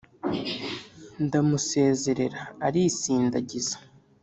Ndamusezerera alisindagiza.